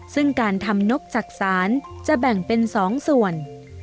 ซึ่งการทำนกจักษานจะแบ่งเป็น๒ส่วน